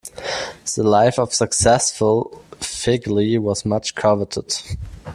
The life of successful "figlie" was much coveted.